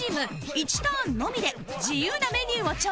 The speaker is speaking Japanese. １ターンのみで自由なメニューを調理